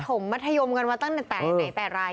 มมัธยมกันมาตั้งแต่ไหนแต่ไร